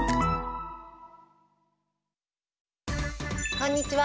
こんにちは！